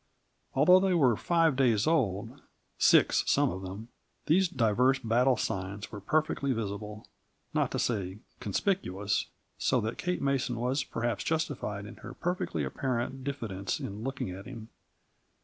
Although they were five days old six, some of them these divers battle signs were perfectly visible, not to say conspicuous; so that Kate Mason was perhaps justified in her perfectly apparent diffidence in looking at him.